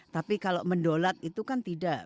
tapi kalau mendolat itu kan tidak